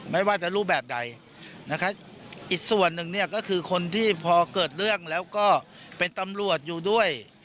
ไม่ว่าจะรูปแบบใดนะครับอีกส่วนหนึ่งเนี่ยก็คือคนที่พอเกิดเรื่องแล้วก็เป็นตำรวจอยู่ด้วย